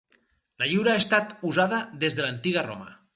La lliura ha estat usada des de l'Antiga Roma.